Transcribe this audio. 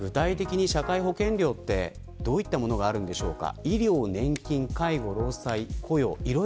具体的に社会保険料ってどのようなものがあるんでしょうか。